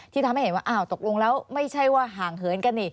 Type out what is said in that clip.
ที่ทำให้เห็นว่าตกลงแล้วไม่ใช่ว่าห่างเหินกัน